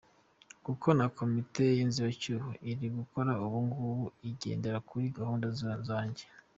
Kuko na komite y’inzibacyuho iri gukora ubu ngubu, igendera kuri gahunda zange.